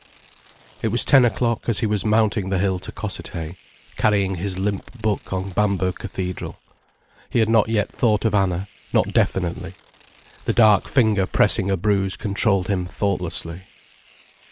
It was ten o'clock as he was mounting the hill to Cossethay, carrying his limp book on Bamberg Cathedral. He had not yet thought of Anna, not definitely. The dark finger pressing a bruise controlled him thoughtlessly.